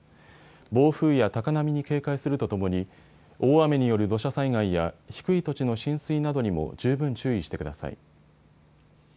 暴風や高波に警戒するとともに大雨による土砂災害や低い土地の浸水などにも十分注意してください。